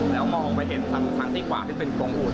แล้วมองไปเองก็เห็นอากาศที่เป็นกลงอูด